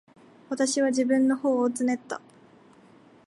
私は自分の頬をつねった。